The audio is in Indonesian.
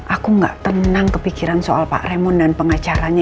aku gak tenang kepikiran soal pak remon dan pengacaranya